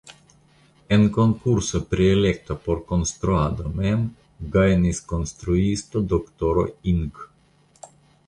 En konkurso pri elekto por la konstruado mem gajnis konstruisto Dr. Ing.